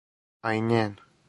А и њен.